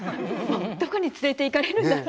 どこに連れていかれるんだろう。